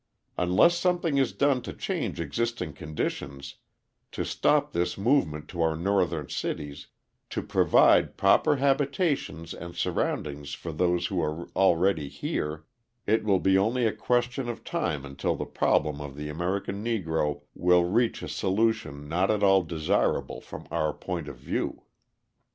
Unless something is done to change existing conditions, to stop this movement to our Northern cities, to provide proper habitations and surroundings for those who are already here, it will be only a question of time until the problem of the American Negro will reach a solution not at all desirable from our point of view."